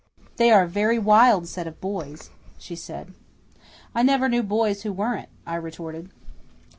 "They are a very wild set of boys," she said. "I never knew boys who weren't," I retorted.